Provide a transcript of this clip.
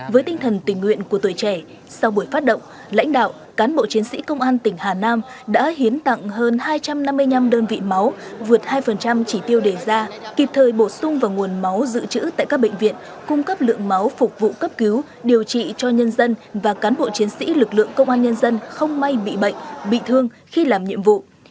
với tinh thần tỉnh nguyện của tuổi trẻ sau buổi phát động lãnh đạo cán bộ chiến sĩ công an tỉnh hà nam đã hiến tặng hơn hai trăm năm mươi năm đơn vị máu vượt hai chỉ tiêu đề ra kịp thời bổ sung vào nguồn máu dự trữ tại các bệnh viện cung cấp lượng máu phục vụ cấp cứu điều trị cho nhân dân và cán bộ chiến sĩ lực lượng công an nhân dân không may bị bệnh bị thương khi làm nhiệm vụ